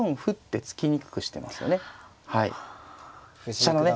飛車のね